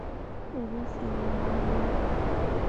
اوبه سېرابوي.